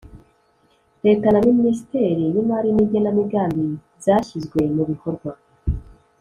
Leta na ministeri y imari n igenamigambi zashyizwe mu bikorwa